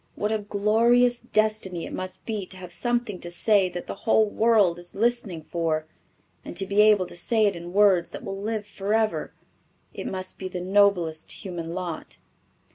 What a glorious destiny it must be to have something to say that the whole world is listening for, and to be able to say it in words that will live forever! It must be the noblest human lot."